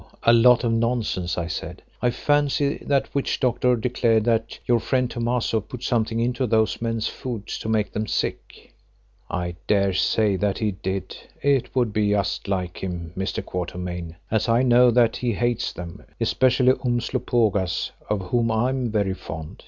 a lot of nonsense," I said. "I fancy that witch doctor declared that your friend Thomaso put something into those men's food to make them sick." "I daresay that he did; it would be just like him, Mr. Quatermain, as I know that he hates them, especially Umslopogaas, of whom I am very fond.